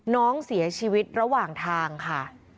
น้องเสียชีวิตระหว่างทางค่ะ